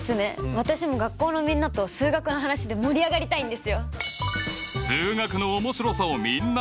私も学校のみんなと数学の話で盛り上がりたいんですよ！